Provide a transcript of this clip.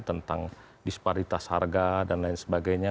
tentang disparitas harga dan lain sebagainya